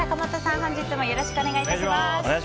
本日もよろしくお願いいたします。